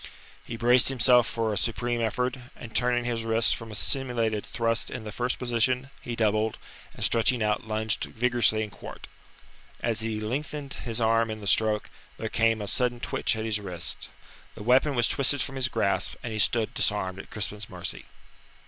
He braced himself for a supreme effort, and turning his wrist from a simulated thrust in the first position, he doubled, and stretching out, lunged vigorously in quarte. As he lengthened his arm in the stroke there came a sudden twitch at his wrist; the weapon was twisted from his grasp, and he stood disarmed at Crispin's mercy.